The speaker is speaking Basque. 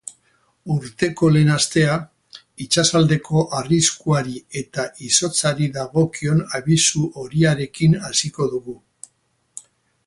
Urteko lehen astea, itsasaldeko arriskuari eta izotzari dagokion abisu horiarekin hasiko dugu.